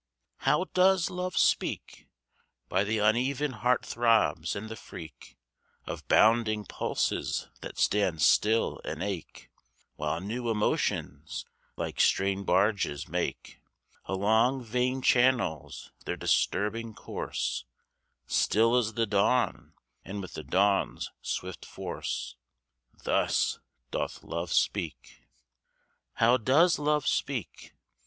How does Love speak? By the uneven heart throbs, and the freak Of bounding pulses that stand still and ache While new emotions, like strange barges, make Along vein channels their disturbing course, Still as the dawn, and with the dawn's swift force: Thus doth Love speak. How does Love speak?